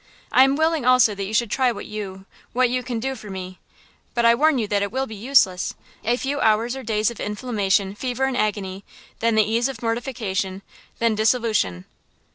I am willing also that you should try what you–what you can do for me–but I warn you that it will be useless! A few hours or days of inflammation, fever and agony, then the ease of mortification, then dissolution!"